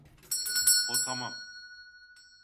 O tamam.